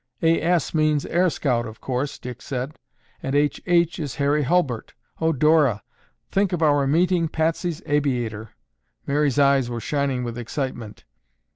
"A. S. means air scout, of course," Dick said. "And H. H. is Harry Hulbert. Oh, Dora, think of our meeting Patsy's aviator." Mary's eyes were shining with excitement.